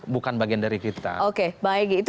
bukan bagian dari kita oke mbak egy itu